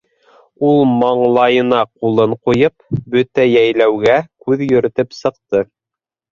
— Ул, маңлайына ҡулын ҡуйып, бөтә йәйләүгә күҙ йөрөтөп сыҡты.